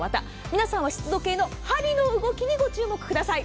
皆さんは湿度計の針の動きにご注目ください。